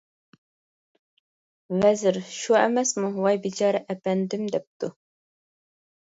ۋەزىر :شۇ ئەمەسمۇ؟ ۋاي بىچارە ئەپەندىم دەپتۇ.